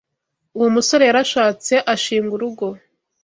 Uwo musore yarashatse ashinga urugo.